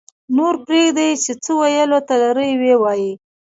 -نور پرېږدئ چې څه ویلو ته لري ویې وایي